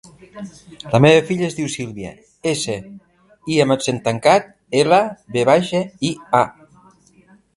La meva filla es diu Sílvia: essa, i amb accent tancat, ela, ve baixa, i, a.